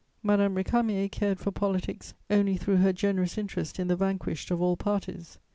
Madame Récamier cared for politics only through her generous interest in the vanquished of all parties.